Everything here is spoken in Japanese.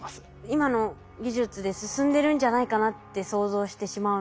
今の技術で進んでるんじゃないかなって想像してしまうので。